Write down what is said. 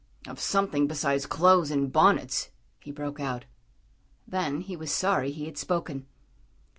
"Of something besides clothes and bonnets," he broke out. Then he was sorry he had spoken.